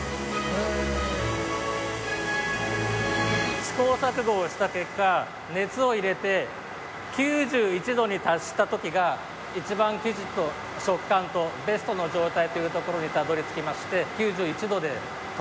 試行錯誤をした結果熱を入れて９１度に達した時が一番生地と食感とベストの状態というところにたどり着きまして。